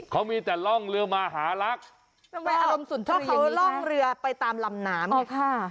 เขามีแต่ล่องเรือมหาลักษณ์เพราะเขาล่องเรือไปตามลำน้ำ